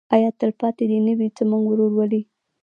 آیا تلپاتې دې نه وي زموږ ورورولي؟